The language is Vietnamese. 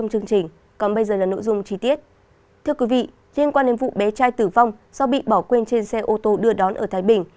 thưa quý vị liên quan đến vụ bé trai tử vong do bị bỏ quên trên xe ô tô đưa đón ở thái bình